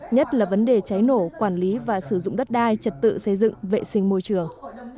nhất là vấn đề cháy nổ quản lý và sử dụng đất đai trật tự xây dựng vệ sinh môi trường